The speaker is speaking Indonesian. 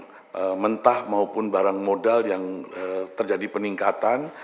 jadi barang mentah maupun barang modal yang terjadi peningkatan